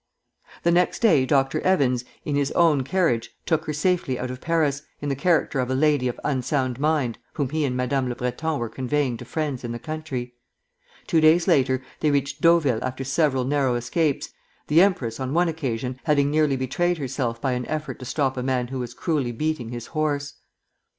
The next day Dr. Evans, in his own carriage, took her safely out of Paris, in the character of a lady of unsound mind whom he and Madame le Breton were conveying to friends in the country. Two days later they reached Deauville after several narrow escapes, the empress, on one occasion, having nearly betrayed herself by an effort to stop a man who was cruelly beating his horse.